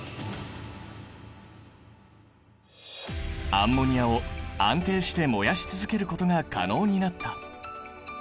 アンモニアを安定して燃やし続けることが可能になった。